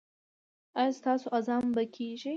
ایا ستاسو اذان به کیږي؟